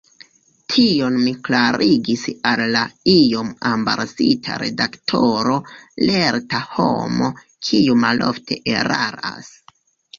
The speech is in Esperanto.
Tion mi klarigis al la iom embarasita redaktoro, lerta homo, kiu malofte eraras.